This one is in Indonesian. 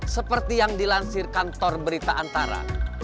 seperti yang dilansir kantor berita antara